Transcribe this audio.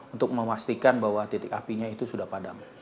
untuk memastikan bahwa titik apinya itu sudah padam